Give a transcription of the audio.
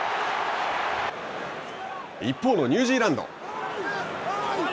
一方のニュージーランド。